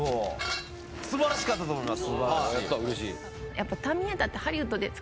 素晴らしかったと思います！